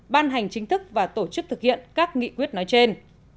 ban hành chính thức và tổ chức thực hiện các nghị quyết nói trên